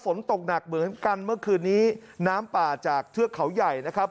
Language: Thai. ฝนตกหนักเหมือนกันเมื่อคืนนี้น้ำป่าจากเทือกเขาใหญ่นะครับ